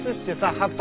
葉っぱ？